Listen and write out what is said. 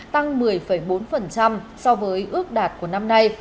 tăng một mươi bốn so với ước đạt của năm nay